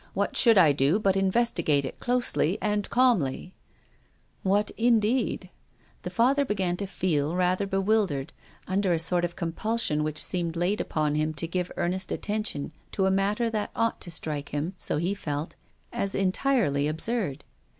What should I do but investigate it closely and calmly ?" "What, indeed?" The Father began to feel rather bewildered, under a sort of compulsion which seemed laid upon him to give earnest attention to a matter that ought to strike him — so he felt — as entirely absurd.